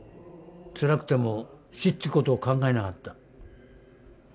つらくても死ってことを考えなかった。